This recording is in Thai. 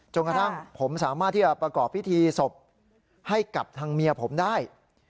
กระทั่งผมสามารถที่จะประกอบพิธีศพให้กับทางเมียผมได้